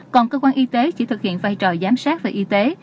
còn cơ quan y tế chỉ thực hiện vai trò giám sát về y tế